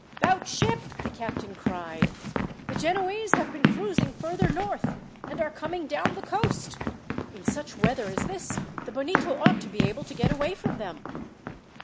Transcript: "'Bout ship," the captain cried. "The Genoese have been cruising further north, and are coming down the coast. In such weather as this, the Bonito ought to be able to get away from them."